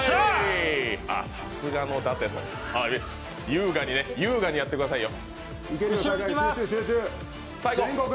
優雅にやってくださいよ。